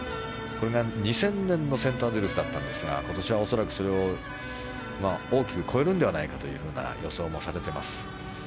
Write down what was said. ２０００年のセントアンドリュースだったんですが今年は恐らく、それを大きく超えるのではないかという予想もされています。